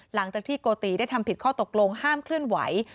หลังจากที่โกติได้ทำผิดข้อตกลงห้ามเคลื่อนไหว